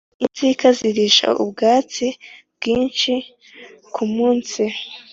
Izinka zirisha ubwatsi bwinshi kumunsi